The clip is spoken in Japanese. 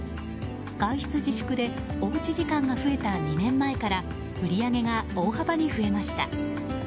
外出自粛でおうち時間が増えた２年前から売り上げが大幅に増えました。